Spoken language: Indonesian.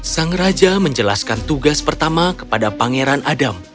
sang raja menjelaskan tugas pertama kepada pangeran adam